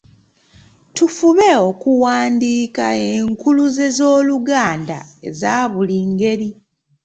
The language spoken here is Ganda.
Tufube okuwandiika enkuluze z’Oluganda eza buli ngeri